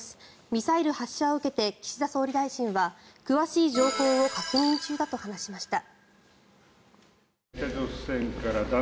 ミサイル発射を受けて岸田総理大臣は詳しい情報を確認中だと話しました。